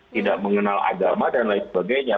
tidak mengenal agama dan lain sebagainya